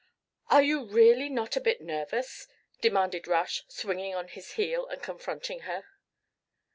"Are you really not a bit nervous?" demanded Rush, swinging on his heel and confronting her.